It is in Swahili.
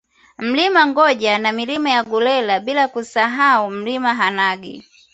Mlima Gonja na Milima ya Gulela bila kusahau Mlima Hanang